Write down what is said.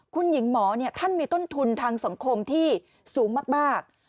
คุณหญิงหมอท่านมีต้นทุนทางสังคมที่สูงมาก